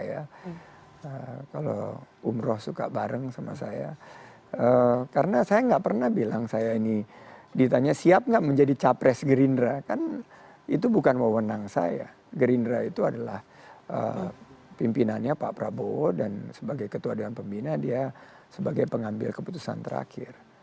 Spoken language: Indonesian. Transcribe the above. karena apalagi dari sekjen muzani saya sangat menghormati beliau sahabat saya kalau umroh suka bareng sama saya karena saya gak pernah bilang saya ini ditanya siap gak menjadi capres gerindra kan itu bukan mewenang saya gerindra itu adalah pimpinannya pak prabowo dan sebagai ketua dan pembina dia sebagai pengambil keputusan terakhir